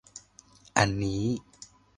อันนี้